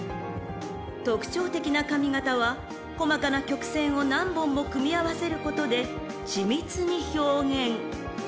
［特徴的な髪形は細かな曲線を何本も組み合わせることで緻密に表現］